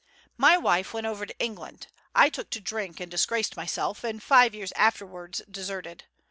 My wife went over to England. I took to drink and disgraced myself, and five years afterwards deserted.